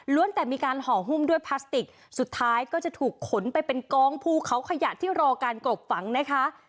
แต่มีการห่อหุ้มด้วยพลาสติกสุดท้ายก็จะถูกขนไปเป็นกองภูเขาขยะที่รอการกลบฝังนะคะ